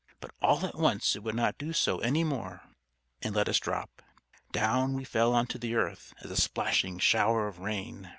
But all at once it would not do so any more, and let us drop. Down we fell on to the earth as a splashing shower of rain.